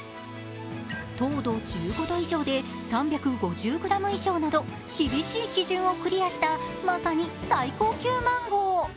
糖度１５度以上で３５０ｇ以上など厳しい基準をクリアしたまさに最高級マンゴー。